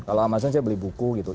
kalau alasan saya beli buku gitu